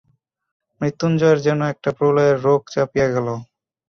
মৃত্যুঞ্জয়ের যেন একটা প্রলয়ের রোখ চাপিয়া গেল।